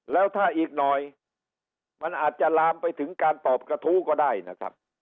แล้วถ้าอีกหน่อยมันอาจจะลามไปถึงการตอบกระทู้ก็ได้นะครับ